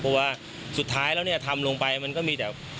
เพราะว่าสุดท้ายแล้วเนี่ยทำลงไปมันก็มีแต่